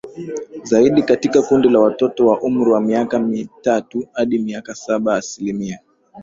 zaidi Katika kundi la watoto wa umri wa miaka mitatu hadi miaka saba asilimia